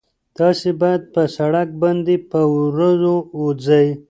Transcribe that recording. تاسي باید په سړک باندې په ورو ځئ.